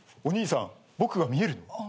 お兄さん僕は見えるの？